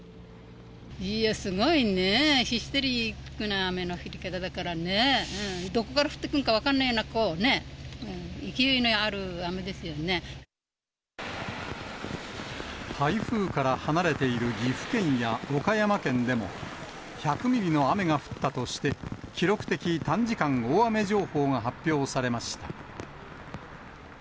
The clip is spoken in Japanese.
いや、すごいね、ヒステリックな雨の降り方だからね、どこから降ってくるのか分かんないような、こうね、勢いのある雨台風から離れている岐阜県や岡山県でも、１００ミリの雨が降ったとして、記録的短時間大雨情報が発表されました。